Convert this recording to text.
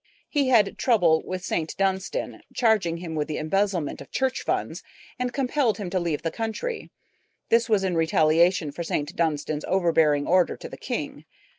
He had trouble with St. Dunstan, charging him with the embezzlement of church funds, and compelled him to leave the country. This was in retaliation for St. Dunstan's overbearing order to the king.